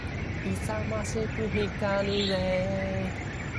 The lotus-eaters even succeed in obtaining from it a sort of wine.